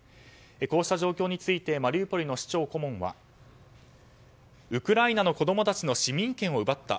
こうした状況についてマリウポリの市長顧問はウクライナの子供たちの市民権を奪った。